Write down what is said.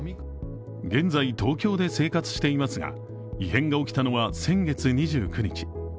現在、東京で生活していますが異変が起きたのは先月２９日。